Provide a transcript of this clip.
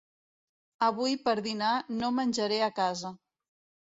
Avui, per dinar, no menjaré a casa.